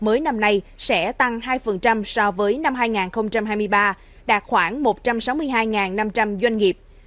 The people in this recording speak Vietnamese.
mới năm nay sẽ tăng hai so với năm hai nghìn hai mươi ba đạt khoảng một trăm sáu mươi hai năm trăm linh doanh nghiệp